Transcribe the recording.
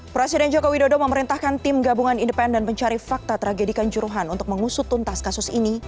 presiden joko widodo memerintahkan tim gabungan independen mencari fakta tragedikan juruhan untuk mengusut tuntas kasus ini